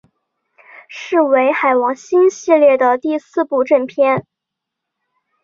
是为海王星系列的第四部正篇。